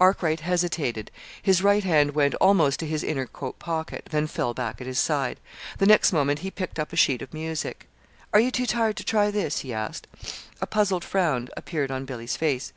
Arkwright hesitated. His right hand went almost to his inner coat pocket then fell back at his side. The next moment he picked up a sheet of music. "Are you too tired to try this?" he asked. A puzzled frown appeared on Billy's face.